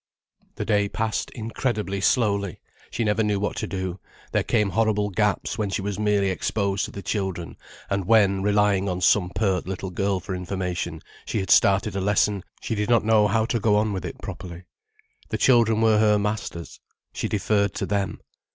The day passed incredibly slowly. She never knew what to do, there came horrible gaps, when she was merely exposed to the children; and when, relying on some pert little girl for information, she had started a lesson, she did not know how to go on with it properly. The children were her masters. She deferred to them.